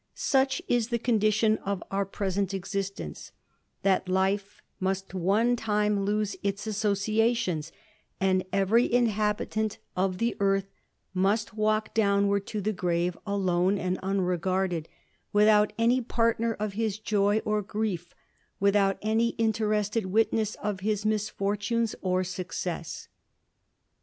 Such :: the condition of our present existence, that life must on time lose its associations, and every inhabitant o? the eart V ♦ Note XXX., Appendix. "N* \ THE IDLER, 301 'iixjst walk downward to the grave alone and unregarded, ^^thout any partner of his joy or grief, without any interested ^^itness of his misfortunes or success.